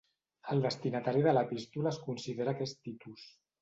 El destinatari de l'epístola es considera que és Titus.